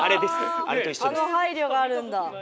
ああの配慮があるんだ。